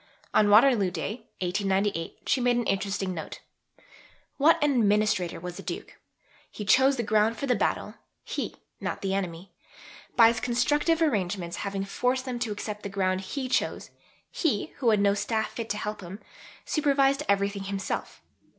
On Waterloo Day, 1898, she made an interesting note: What an administrator was the Duke! He chose the ground for the battle he, not the enemy. By his constructive arrangements, having forced them to accept the ground he chose, he, who had no staff fit to help him, supervised everything himself.